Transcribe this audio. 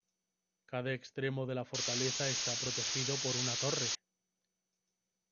Cada extremo de la fortaleza está protegido por una torre.